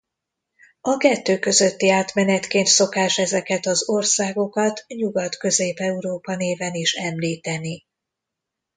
A kettő közötti átmenetként szokás ezeket az országokat Nyugat-Közép-Európa néven is említeni.